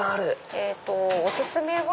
えっとお薦めは。